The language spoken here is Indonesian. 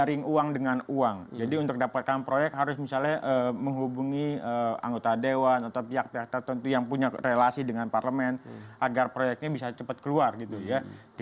ini kan kasus yang kesekian pak didi